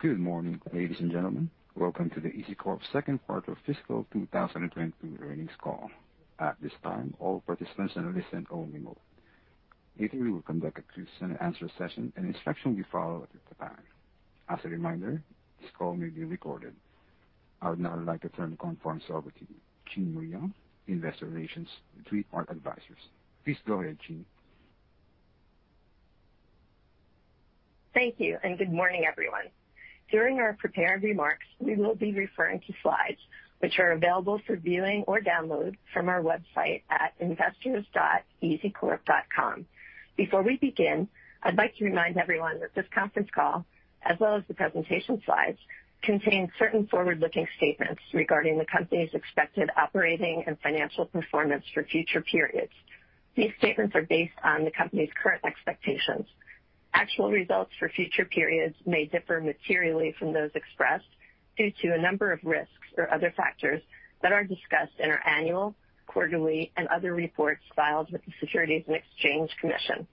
Good morning, ladies and gentlemen. Welcome to the EZCORP second quarter of fiscal 2022 earnings call. At this time, all participants are in listen-only mode. Later, we will conduct a question-and-answer session. Instructions will follow at that time. As a reminder, this call may be recorded. I would now like to turn the call over to Jean Marie Young, Investor Relations, Three Part Advisors. Please go ahead, Jean. Thank you, and good morning, everyone. During our prepared remarks, we will be referring to slides which are available for viewing or download from our website at investors.ezcorp.com. Before we begin, I'd like to remind everyone that this conference call, as well as the presentation slides, contain certain forward-looking statements regarding the company's expected operating and financial performance for future periods. These statements are based on the company's current expectations. Actual results for future periods may differ materially from those expressed due to a number of risks or other factors that are discussed in our annual, quarterly, and other reports filed with the Securities and Exchange Commission.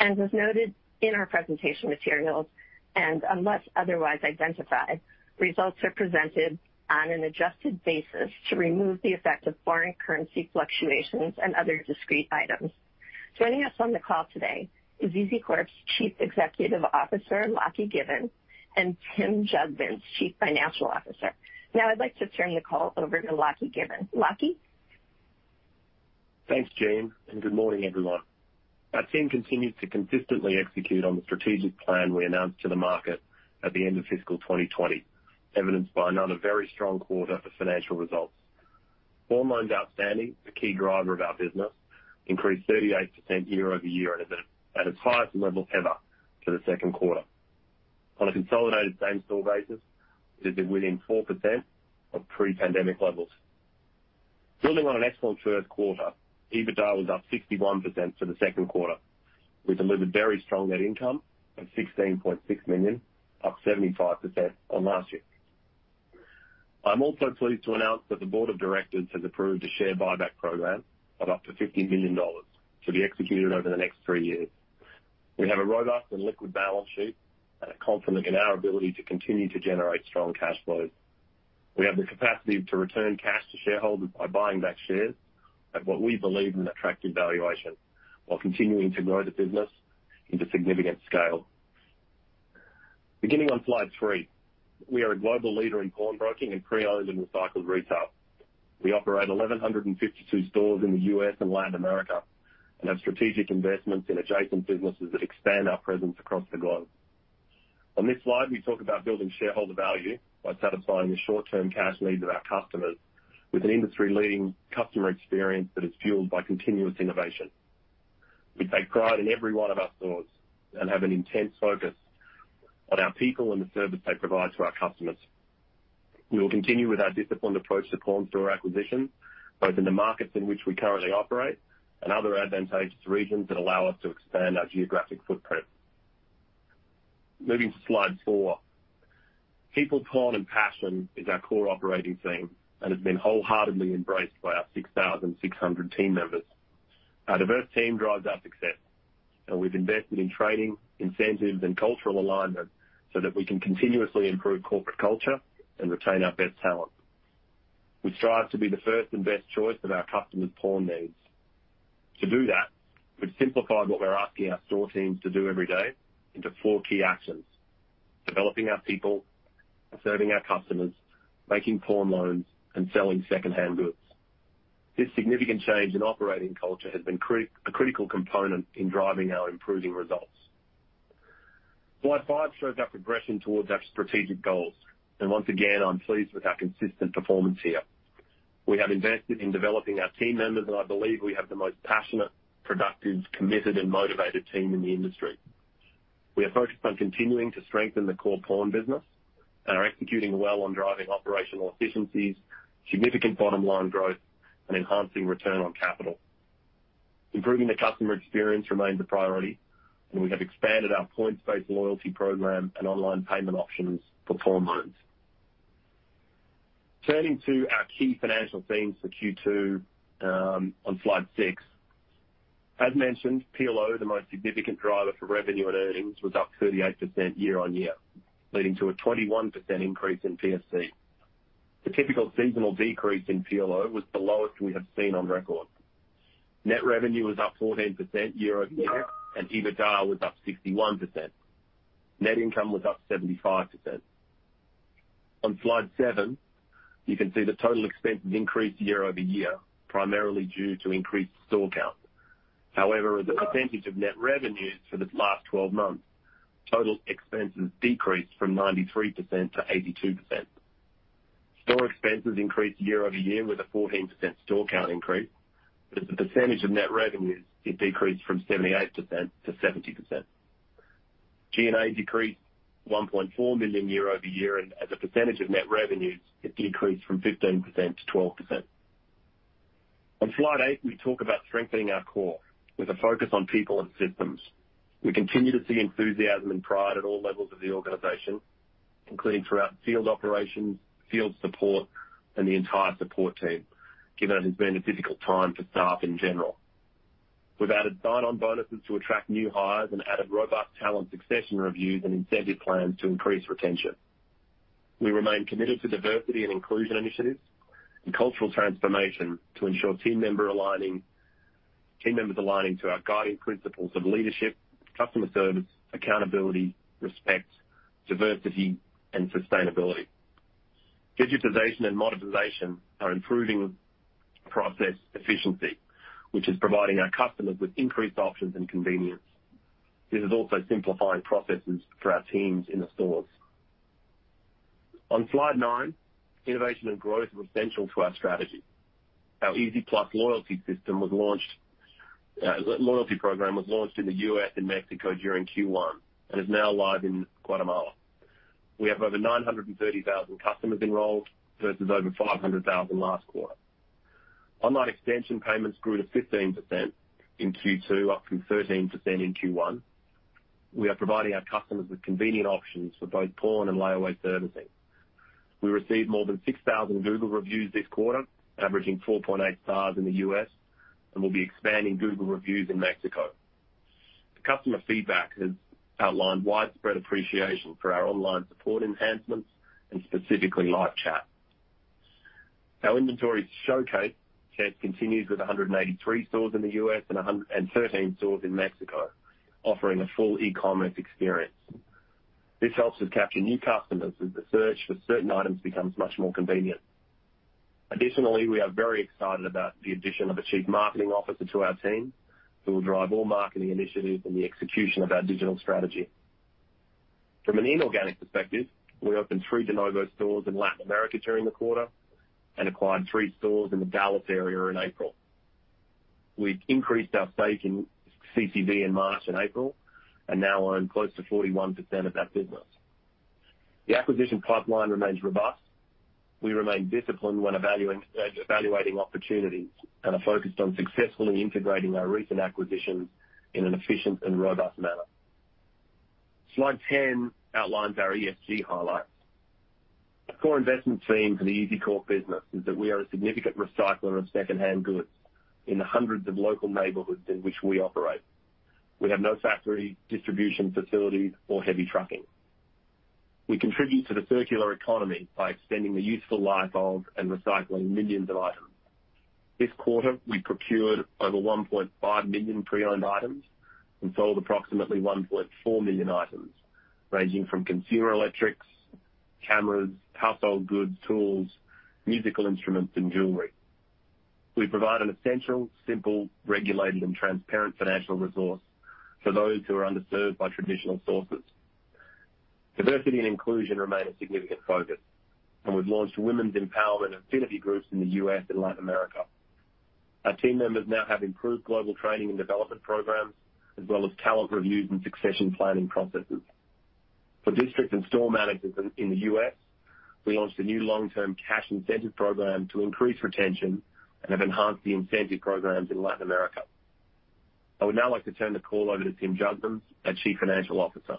As noted in our presentation materials, and unless otherwise identified, results are presented on an adjusted basis to remove the effect of foreign currency fluctuations and other discrete items. Joining us on the call today is EZCORP's Chief Executive Officer, Lachlan Given, and Tim Jugmans, Chief Financial Officer. Now I'd like to turn the call over to Lachlan Given. Lachie? Thanks, Jean, and good morning, everyone. Our team continues to consistently execute on the strategic plan we announced to the market at the end of fiscal 2020, evidenced by another very strong quarter for financial results. Pawn loans outstanding, the key driver of our business, increased 38% year-over-year and is at its highest level ever for the second quarter. On a consolidated same-store basis, it has been within 4% of pre-pandemic levels. Building on an excellent first quarter, EBITDA was up 61% for the second quarter. We delivered very strong net income of $16.6 million, up 75% on last year. I'm also pleased to announce that the board of directors has approved a share buyback program of up to $50 million to be executed over the next three years. We have a robust and liquid balance sheet and are confident in our ability to continue to generate strong cash flows. We have the capacity to return cash to shareholders by buying back shares at what we believe is an attractive valuation while continuing to grow the business into significant scale. Beginning on Slide 3. We are a global leader in pawn broking and pre-owned and recycled retail. We operate 1,152 stores in the U.S. and Latin America and have strategic investments in adjacent businesses that expand our presence across the globe. On this slide, we talk about building shareholder value by satisfying the short-term cash needs of our customers with an industry-leading customer experience that is fueled by continuous innovation. We take pride in every one of our stores and have an intense focus on our people and the service they provide to our customers. We will continue with our disciplined approach to pawn store acquisitions, both in the markets in which we currently operate and other advantageous regions that allow us to expand our geographic footprint. Moving to Slide 4. People, pawn, and passion is our core operating theme and has been wholeheartedly embraced by our 6,600 team members. Our diverse team drives our success, and we've invested in training, incentives, and cultural alignment so that we can continuously improve corporate culture and retain our best talent. We strive to be the first and best choice of our customers' pawn needs. To do that, we've simplified what we're asking our store teams to do every day into four key actions, developing our people, serving our customers, making pawn loans, and selling secondhand goods. This significant change in operating culture has been a critical component in driving our improving results. Slide 5 shows our progression towards our strategic goals, and once again, I'm pleased with our consistent performance here. We have invested in developing our team members, and I believe we have the most passionate, productive, committed, and motivated team in the industry. We are focused on continuing to strengthen the core pawn business and are executing well on driving operational efficiencies, significant bottom line growth, and enhancing return on capital. Improving the customer experience remains a priority, and we have expanded our points-based loyalty program and online payment options for pawn loans. Turning to our key financial themes for Q2, on Slide 6. As mentioned, PLO, the most significant driver for revenue and earnings, was up 38% year-on-year, leading to a 21% increase in PSC. The typical seasonal decrease in PLO was the lowest we have seen on record. Net revenue was up 14% year-over-year, and EBITDA was up 61%. Net income was up 75%. On Slide 7, you can see the total expenses increased year-over-year, primarily due to increased store count. However, as a percentage of net revenues for the last 12 months, total Expenses decreased from 93%-82%. Store expenses increased year-over-year with a 14% store count increase. As a percentage of net revenues, it decreased from 78%-70%. G&A decreased $1.4 million year-over-year. As a percentage of net revenues, it decreased from 15%-12%. On Slide 8, we talk about strengthening our core with a focus on people and systems. We continue to see enthusiasm and pride at all levels of the organization, including throughout field operations, field support, and the entire support team, given it has been a difficult time for staff in general. We've added sign-on bonuses to attract new hires and added robust talent succession reviews and incentive plans to increase retention. We remain committed to diversity and inclusion initiatives and cultural transformation to ensure team members aligning to our guiding principles of leadership, customer service, accountability, respect, diversity, and sustainability. Digitization and modernization are improving process efficiency, which is providing our customers with increased options and convenience. This is also simplifying processes for our teams in the stores. On Slide 9, innovation and growth are essential to our strategy. Our EZ+ loyalty program was launched in the U.S. and Mexico during Q1 and is now live in Guatemala. We have over 930,000 customers enrolled versus over 500,000 last quarter. Online extension payments grew to 15% in Q2, up from 13% in Q1. We are providing our customers with convenient options for both pawn and layaway servicing. We received more than 6,000 Google reviews this quarter, averaging 4.8 stars in the U.S., and we'll be expanding Google reviews in Mexico. The customer feedback has outlined widespread appreciation for our online support enhancements and specifically live chat. Our inventory showcase continues with 183 stores in the U.S. and 13 stores in Mexico, offering a full e-commerce experience. This helps us capture new customers as the search for certain items becomes much more convenient. Additionally, we are very excited about the addition of a chief marketing officer to our team, who will drive all marketing initiatives and the execution of our digital strategy. From an inorganic perspective, we opened three de novo stores in Latin America during the quarter and acquired three stores in the Dallas area in April. We increased our stake in CCV in March and April and now own close to 41% of that business. The acquisition pipeline remains robust. We remain disciplined when evaluating opportunities and are focused on successfully integrating our recent acquisitions in an efficient and robust manner. Slide 10 outlines our ESG highlights. Our core investment theme for the EZCORP business is that we are a significant recycler of secondhand goods in the hundreds of local neighborhoods in which we operate. We have no factory, distribution facilities, or heavy trucking. We contribute to the circular economy by extending the useful life of and recycling millions of items. This quarter, we procured over 1.5 million pre-owned items and sold approximately 1.4 million items ranging from consumer electronics, cameras, household goods, tools, musical instruments, and jewelry. We provide an essential, simple, regulated, and transparent financial resource for those who are underserved by traditional sources. Diversity and inclusion remain a significant focus, and we've launched women's empowerment affinity groups in the U.S. and Latin America. Our team members now have improved global training and development programs as well as talent reviews and succession planning processes. For district and store managers in the U.S., we launched a new long-term cash incentive program to increase retention and have enhanced the incentive programs in Latin America. I would now like to turn the call over to Tim Jugmans, our Chief Financial Officer,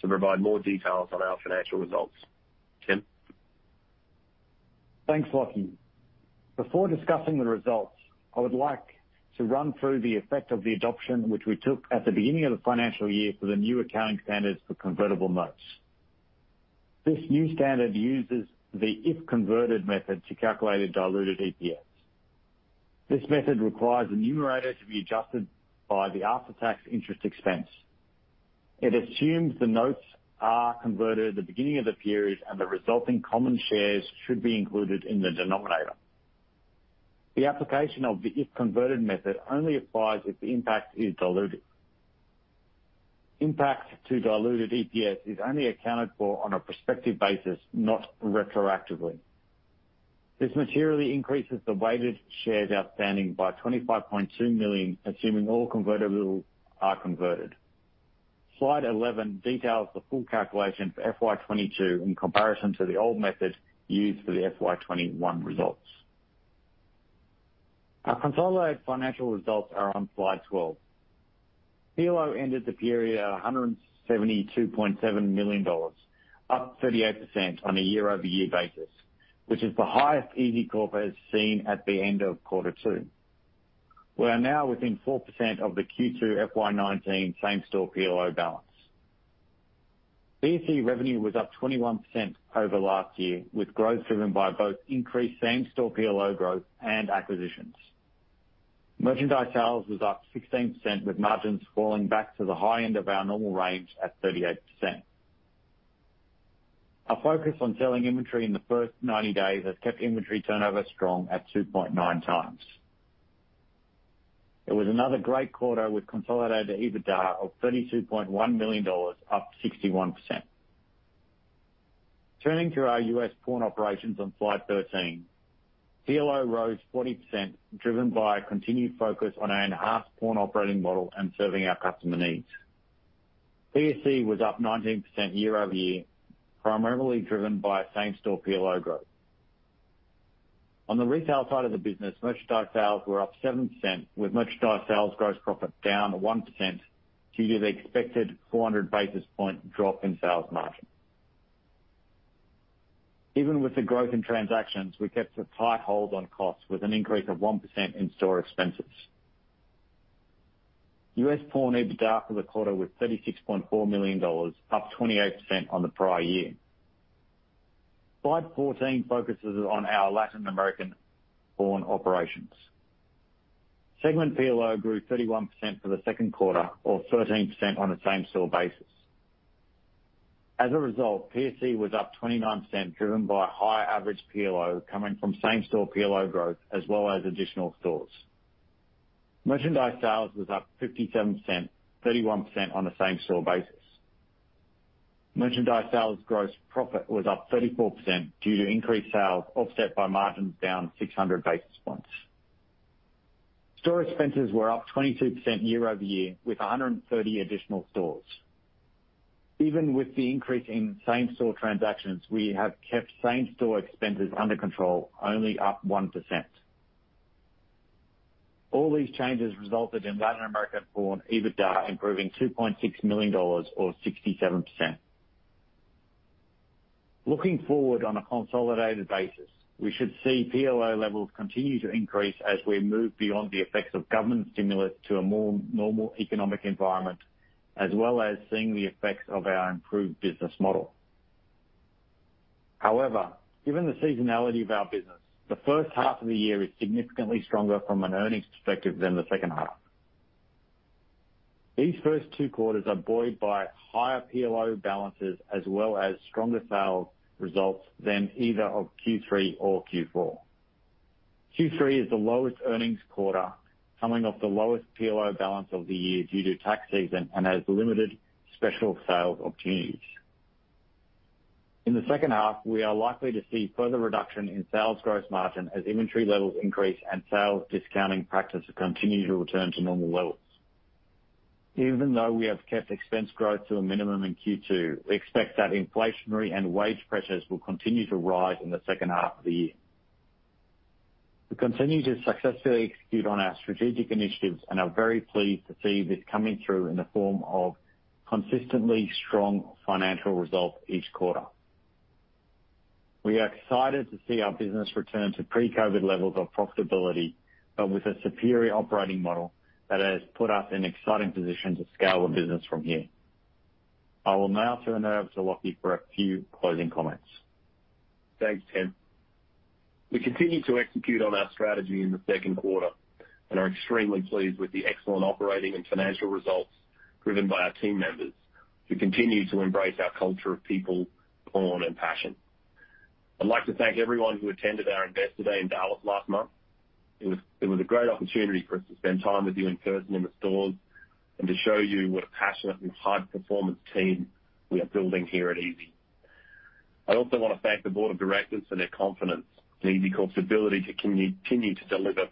to provide more details on our financial results. Tim? Thanks, Lachie. Before discussing the results, I would like to run through the effect of the adoption which we took at the beginning of the financial year for the new accounting standards for convertible notes. This new standard uses the if-converted method to calculate a diluted EPS. This method requires the numerator to be adjusted by the after-tax interest expense. It assumes the notes are converted at the beginning of the period, and the resulting common shares should be included in the denominator. The application of the if-converted method only applies if the impact is dilutive. Impact to diluted EPS is only accounted for on a prospective basis, not retroactively. This materially increases the weighted shares outstanding by 25.2 million, assuming all convertibles are converted. Slide 11 details the full calculation for FY 2022 in comparison to the old method used for the FY 2021 results. Our consolidated financial results are on Slide 12. PLO ended the period at $172.7 million, up 38% on a year-over-year basis, which is the highest EZCORP has seen at the end of quarter two. We are now within 4% of the Q2 FY19 same-store PLO balance. PSC revenue was up 21% over last year, with growth driven by both increased same-store PLO growth and acquisitions. Merchandise sales was up 16%, with margins falling back to the high end of our normal range at 38%. Our focus on selling inventory in the first 90 days has kept inventory turnover strong at 2.9x. It was another great quarter with consolidated EBITDA of $32.1 million, up 61%. Turning to our U.S. Pawn operations on Slide 13. PLO rose 40%, driven by a continued focus on our enhanced pawn operating model and serving our customer needs. PSC was up 19% year-over-year, primarily driven by same-store PLO growth. On the retail side of the business, merchandise sales were up 7%, with merchandise sales gross profit down 1% due to the expected 400 basis points drop in sales margin. Even with the growth in transactions, we kept a tight hold on costs with an increase of 1% in store expenses. U.S. Pawn EBITDA for the quarter was $36.4 million, up 28% on the prior year. Slide 14 focuses on our Latin American Pawn operations. Segment PLO grew 31% for the second quarter or 13% on a same-store basis. As a result, PSC was up 29% driven by higher average PLO coming from same-store PLO growth as well as additional stores. Merchandise sales was up 57%, 31% on a same-store basis. Merchandise sales gross profit was up 34% due to increased sales offset by margins down 600 basis points. Store expenses were up 22% year-over-year with 130 additional stores. Even with the increase in same-store transactions, we have kept same-store expenses under control only up 1%. All these changes resulted in Latin America Pawn EBITDA improving $2.6 million or 67%. Looking forward on a consolidated basis, we should see PLO levels continue to increase as we move beyond the effects of government stimulus to a more normal economic environment, as well as seeing the effects of our improved business model. However, given the seasonality of our business, the first half of the year is significantly stronger from an earnings perspective than the second half. These first two quarters are buoyed by higher PLO balances as well as stronger sales results than either of Q3 or Q4. Q3 is the lowest earnings quarter coming off the lowest PLO balance of the year due to tax season and has limited special sales opportunities. In the second half, we are likely to see further reduction in sales gross margin as inventory levels increase and sales discounting practices continue to return to normal levels. Even though we have kept expense growth to a minimum in Q2, we expect that inflationary and wage pressures will continue to rise in the second half of the year. We continue to successfully execute on our strategic initiatives and are very pleased to see this coming through in the form of consistently strong financial results each quarter. We are excited to see our business return to pre-COVID levels of profitability, but with a superior operating model that has put us in exciting position to scale the business from here. I will now turn it over to Lachie for a few closing comments. Thanks, Tim. We continue to execute on our strategy in the second quarter and are extremely pleased with the excellent operating and financial results driven by our team members who continue to embrace our culture of people, pawn, and passion. I'd like to thank everyone who attended our Investor Day in Dallas last month. It was a great opportunity for us to spend time with you in person in the stores and to show you what a passionate and high-performance team we are building here at EZ. I also wanna thank the board of directors for their confidence in EZ's ability to continue to deliver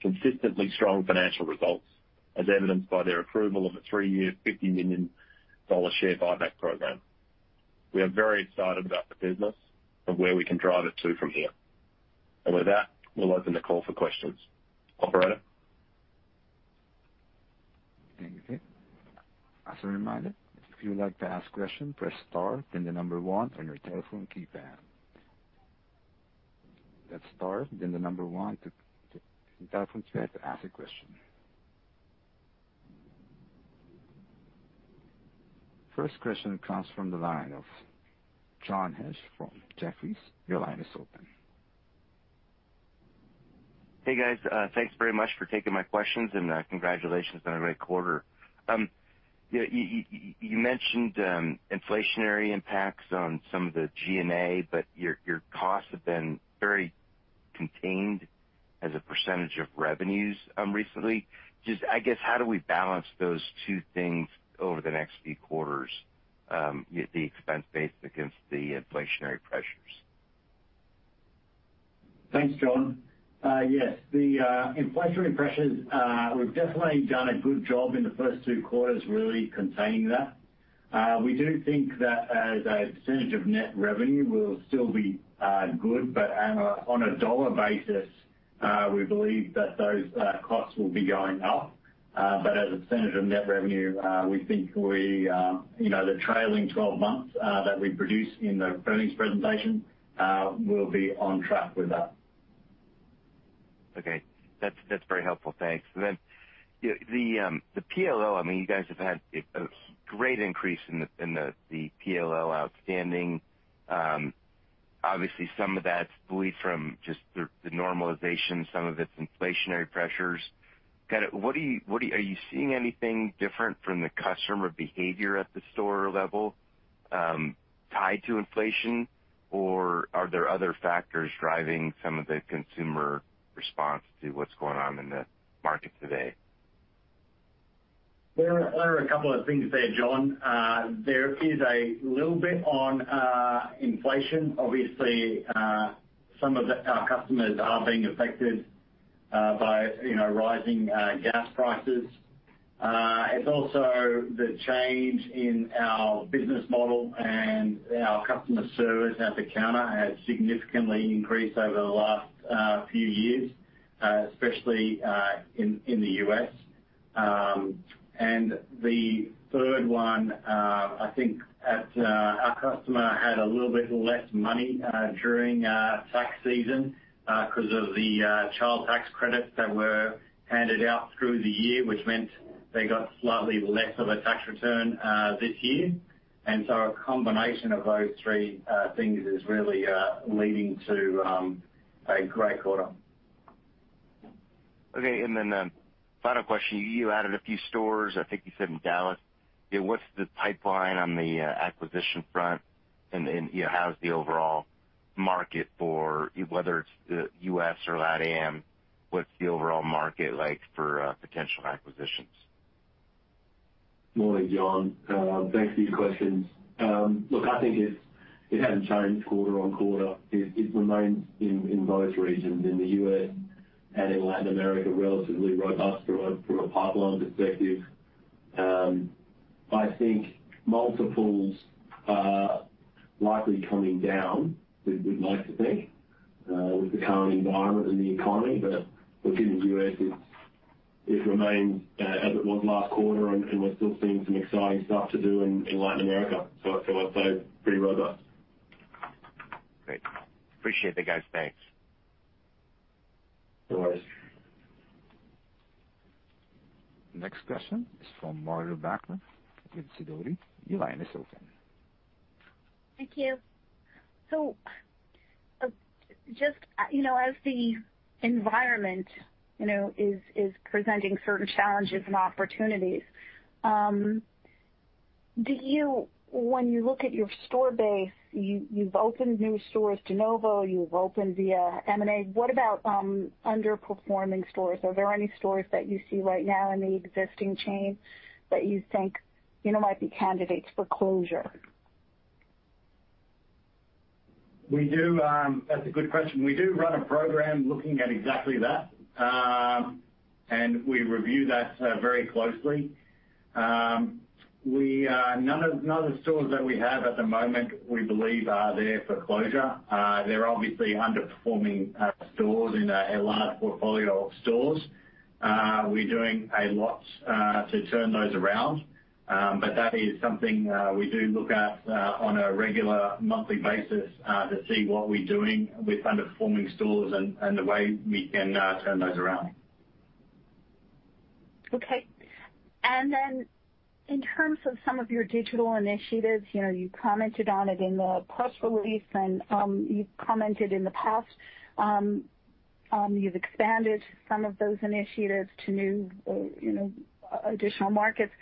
consistently strong financial results, as evidenced by their approval of a three-year, $50 million share buyback program. We are very excited about the business and where we can drive it to from here. With that, we'll open the call for questions. Operator? Thank you. As a reminder, if you would like to ask a question, press star, then the number one on your telephone keypad. That's star, then the number one on your telephone keypad to ask a question. First question comes from the line of John Hecht from Jefferies. Your line is open. Hey, guys. Thanks very much for taking my questions and, congratulations on a great quarter. You mentioned inflationary impacts on some of the G&A, but your costs have been very contained as a percentage of revenues recently. Just I guess, how do we balance those two things over the next few quarters, the expense base against the inflationary pressures? Thanks, John. Yes, the inflationary pressures, we've definitely done a good job in the first two quarters really containing that. We do think that as a percentage of net revenue, we'll still be good. On a dollar basis, we believe that those costs will be going up. As a percentage of net revenue, we think we, you know, the trailing twelve months that we produced in the earnings presentation will be on track with that. Okay. That's very helpful. Thanks. You know, the PLO, I mean, you guys have had a great increase in the PLO outstanding. Obviously, some of that's believed from just the normalization, some of it's inflationary pressures. Kind of, what are you seeing anything different from the customer behavior at the store level tied to inflation? Or are there other factors driving some of the consumer response to what's going on in the market today? There are a couple of things there, John. There is a little bit on inflation. Obviously, some of our customers are being affected by, you know, rising gas prices. It's also the change in our business model and our customer service at the counter has significantly increased over the last few years, especially in the US. The third one, I think that our customer had a little bit less money during tax season, 'cause of the child tax credits that were handed out through the year, which meant they got slightly less of a tax return this year. A combination of those three things is really leading to a great quarter. Okay. Final question. You added a few stores, I think you said in Dallas. Yeah, what's the pipeline on the acquisition front? And you know, how's the overall market for whether it's the U.S. or LatAm, what's the overall market like for potential acquisitions? Morning, John. Thanks for your questions. Look, I think it hasn't changed quarter-over-quarter. It remains in both regions, in the U.S. and in Latin America, relatively robust from a pipeline perspective. I think multiples are likely coming down, we'd like to think, with the current environment and the economy. Look, in the U.S. it remains as it was last quarter and we're still seeing some exciting stuff to do in Latin America. I'd say pretty robust. Great. Appreciate the guidance. Thanks. No worries. Next question is from Greg Pendy with Sidoti. Your line is open. Thank you. Just, you know, as the environment, you know, is presenting certain challenges and opportunities, do you, when you look at your store base, you've opened new stores de novo, you've opened via M&A. What about underperforming stores? Are there any stores that you see right now in the existing chain that you think, you know, might be candidates for closure? We do. That's a good question. We do run a program looking at exactly that. We review that very closely. None of the stores that we have at the moment we believe are there for closure. They're obviously underperforming stores in a large portfolio of stores. We're doing a lot to turn those around. That is something we do look at on a regular monthly basis to see what we're doing with underperforming stores and the way we can turn those around. Okay. In terms of some of your digital initiatives, you know, you commented on it in the press release and, you've commented in the past, you've expanded some of those initiatives to new, you know, additional markets.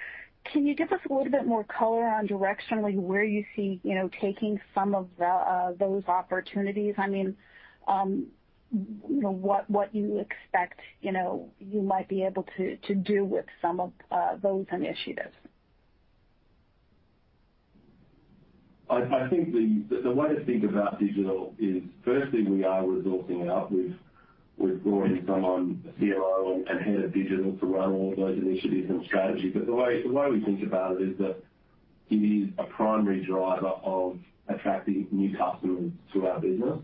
Can you give us a little bit more color on directionally where you see, you know, taking some of the, those opportunities? I mean, you know, what you expect, you know, you might be able to do with some of, those initiatives. I think the way to think about digital is firstly, we are resourcing up. We've brought in someone, a COO and head of digital to run all of those initiatives and strategy. The way we think about it is that it is a primary driver of attracting new customers to our business.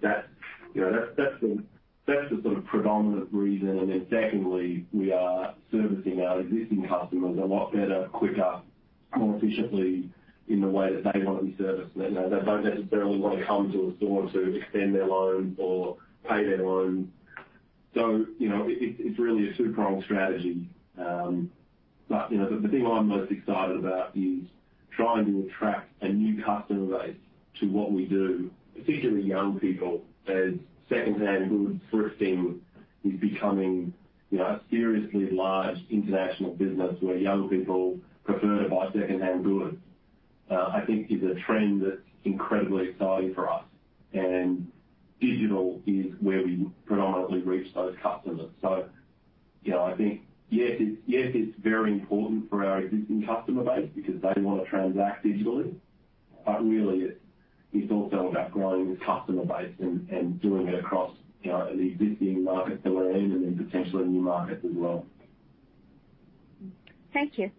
That's, you know, that's the sort of predominant reason. Then secondly, we are servicing our existing customers a lot better, quicker, more efficiently in the way that they want to be serviced. You know, they don't necessarily want to come to a store to extend their loan or pay their loan. You know, it's really a two-pronged strategy. You know, the thing I'm most excited about is trying to attract a new customer base to what we do, particularly young people, as secondhand goods, thrifting is becoming, you know, a seriously large international business where young people prefer to buy secondhand goods. I think is a trend that's incredibly exciting for us. Digital is where we predominantly reach those customers. You know, I think, yes, it's very important for our existing customer base because they wanna transact digitally, but really it's also about growing the customer base and doing it across, you know, the existing markets that we're in and then potentially new markets as well. Thank you.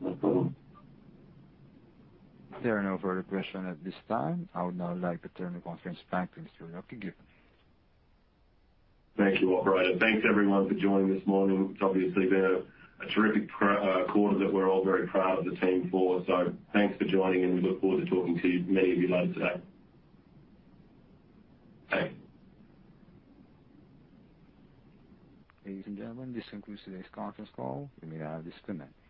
No problem. There are no further questions at this time. I would now like to turn the conference back to Mr. Lachlan Given. Thank you, operator. Thanks everyone for joining this morning. It's obviously been a terrific quarter that we're all very proud of the team for. Thanks for joining, and we look forward to talking to many of you later today. Thanks. Ladies and gentlemen, this concludes today's conference call. You may now disconnect.